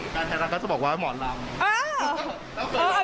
การไทยรัฐก็จะบอกว่าหมอลำ